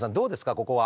ここは。